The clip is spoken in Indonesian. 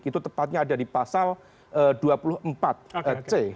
itu tepatnya ada di pasal dua puluh empat c